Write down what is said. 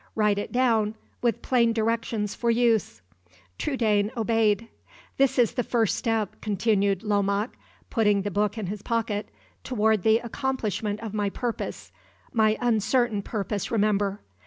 "Write it down, with plain directions for use." Trudaine obeyed. "This is the first step," continued Lomaque, putting the book in his pocket, "toward the accomplishment of my purpose my uncertain purpose, remember!